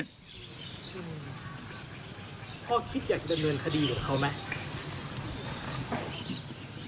พ่อคิดอยากจะดำเนินคดีกับเขาไหม